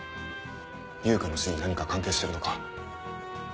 悠香の死に何か関係してるのか？